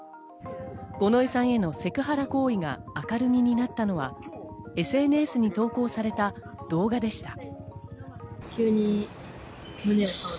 五ノ井さんへのセクハラ行為が明るみになったのはＳＮＳに投稿された動画でした。